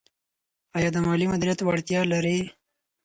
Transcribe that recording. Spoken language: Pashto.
آیا ته د مالي مدیریت وړتیا لرې؟